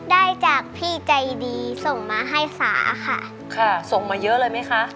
ได้จากพี่ใจดีส่งมาให้สาค่ะค่ะส่งมาเยอะเลยไหมคะ